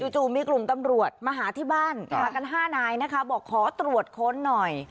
จู่มีกลุ่มตำรวจมาหาที่บ้านมากัน๕นายนะคะบอกขอตรวจค้นหน่อย